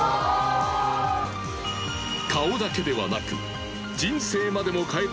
顔だけではなく。